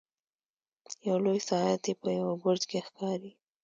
یو لوی ساعت یې په یوه برج کې ښکاري.